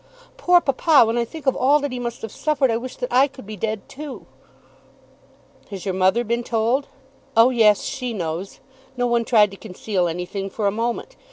Poor papa! When I think of all that he must have suffered I wish that I could be dead too." "Has your mother been told?" "Oh yes. She knows. No one tried to conceal anything for a moment.